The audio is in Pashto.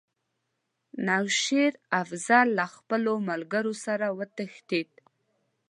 نو شېر افضل له خپلو ملګرو سره وتښتېد.